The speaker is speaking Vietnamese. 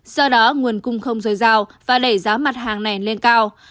do đó nguồn cung không dồi dào và đẩy giá mặt hàng này lên cao